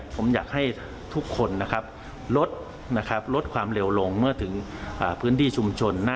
ผมอยากให้ทุกคนนะครับลดความเร็วลงเมื่อถึงพื้นที่ชุมชน